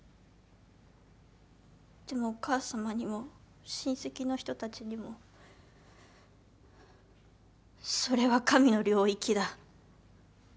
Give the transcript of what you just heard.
でもお母さまにも親戚の人たちにも「それは神の領域だ」